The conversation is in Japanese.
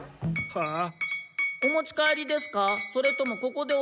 はあ？